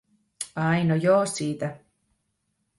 "Ai, no joo siitä.